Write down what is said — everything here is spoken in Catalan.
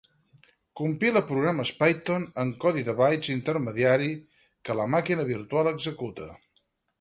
Compila programes Python en codi de bytes intermediari, que la màquina virtual executa.